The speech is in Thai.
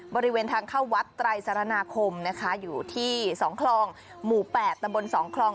บริเวณทางเข้าวัดไตรสารนาคมนะคะอยู่ที่๒คลองหมู่๘ตำบล๒คลอง